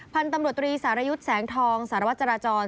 พันธุ์ตำรวจตรีสารยุทธ์แสงทองสารวัตรจราจร